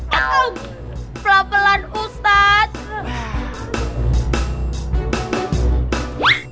kok bisa masuk begini